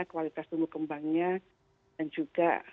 kualitas tumbuh kembangnya dan juga